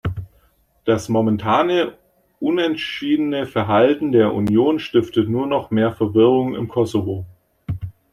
Das momentane unentschiedene Verhalten der Union stiftet nur noch mehr Verwirrung im Kosovo.